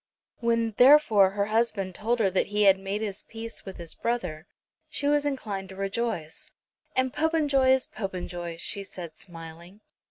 When, therefore, her husband told her that he had made his peace with his brother she was inclined to rejoice. "And Popenjoy is Popenjoy," she said smiling.